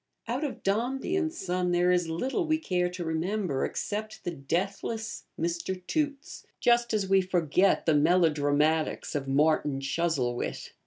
Out of 'Dombey and Son' there is little we care to remember except the deathless Mr. Toots; just as we forget the melodramatics of 'Martin Chuzzlewit.'